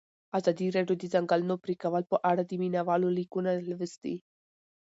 ازادي راډیو د د ځنګلونو پرېکول په اړه د مینه والو لیکونه لوستي.